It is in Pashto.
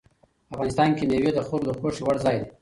افغانستان کې مېوې د خلکو د خوښې وړ ځای دی.